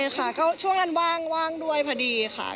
ค่ะก็ช่วงนั้นว่างด้วยพอดีค่ะ